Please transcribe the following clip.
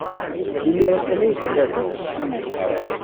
Imir-a kan ay yella da.